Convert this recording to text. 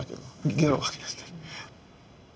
ゲロ吐き出してる。